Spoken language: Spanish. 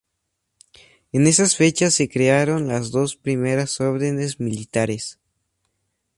En esas fechas se crearon las dos primeras órdenes militares.